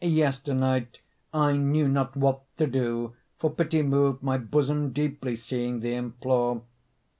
Yesternight I knew not What to do, for pity Moved my bosom deeply, Seeing thee implore.